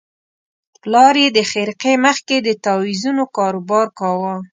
پلار یې د خرقې مخ کې د تاویزونو کاروبار کاوه.